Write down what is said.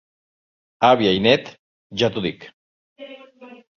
Àvia i net, ja t'ho dic.